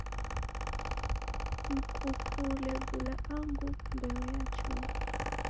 Mukupule bula angu mbeo yachua.